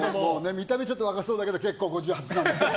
見た目若そうだけど結構、５８なんですよ。